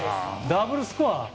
ダブルスコア。